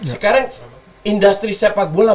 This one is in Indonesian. sekarang industri sepak bola